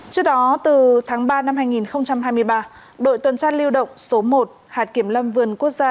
trước đó từ tháng ba năm hai nghìn hai mươi ba đội tuần tra lưu động số một hạt kiểm lâm vườn quốc gia